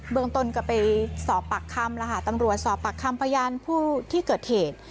เมืองตนก็ไปสอบปากคำแล้วค่ะตำรวจสอบปากคำพยานผู้ที่เกิดเหตุ